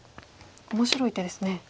面白い手ですね。